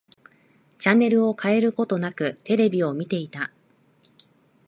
チャンネルを変えることなく、テレビを見ていた。